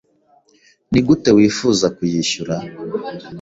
Nigute wifuza kuyishyura?